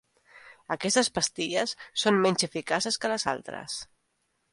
Aquestes pastilles són menys eficaces que les altres.